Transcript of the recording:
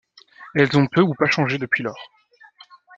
Elles ont peu ou pas changé depuis lors.